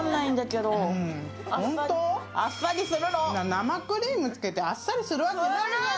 生クリームつけてあっさりするわけないんだよ。